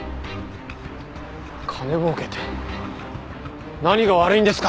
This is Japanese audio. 金もうけて何が悪いんですか？